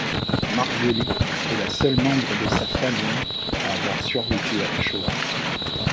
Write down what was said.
Margolis est la seule membre de sa famille à avoir survécu à la Shoah.